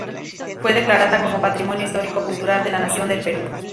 Fue declarada como Patrimonio Histórico Cultural de la Nación del Perú.